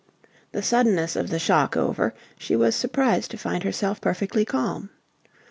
The suddenness of the shock over, she was surprised to find herself perfectly calm.